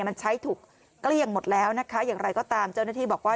มันใช้ถูกเกลี้ยงหมดแล้วนะคะอย่างไรก็ตามเจ้าหน้าที่บอกว่า